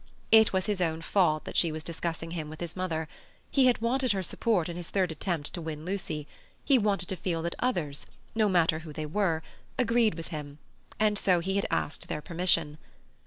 It was his own fault that she was discussing him with his mother; he had wanted her support in his third attempt to win Lucy; he wanted to feel that others, no matter who they were, agreed with him, and so he had asked their permission.